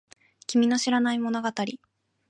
君の知らない物語